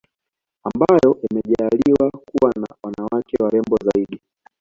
ambayo yamejaaliwa kuwa na wanawake warembo zaidi